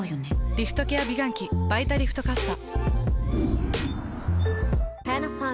リフトケア美顔器「バイタリフトかっさ」。